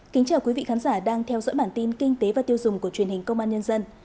kính chào quý vị khán giả đang theo dõi bản tin kinh tế và tiêu dùng của truyền hình công an nhân dân